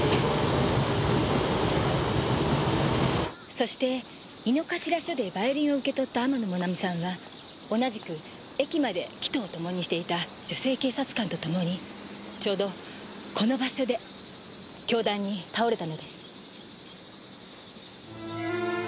そして井の頭署でバイオリンを受け取った天野もなみさんは同じく駅まで帰途を共にしていた女性警察官と共にちょうどこの場所で凶弾に倒れたのです。